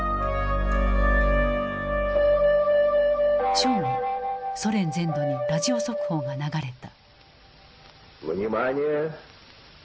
正午ソ連全土にラジオ速報が流れた。